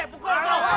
lo mau aku lagi